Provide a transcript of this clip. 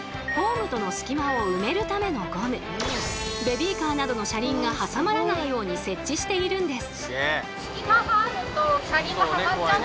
ベビーカーなどの車輪が挟まらないように設置しているんです。